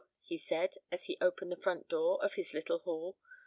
he said, as he opened the door of his little hall.